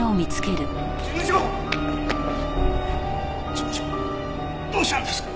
事務長どうしたんですか？